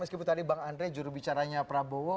meskipun tadi bang andre jurubicaranya prabowo